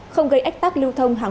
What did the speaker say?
không gây ách tác lưu thông hạn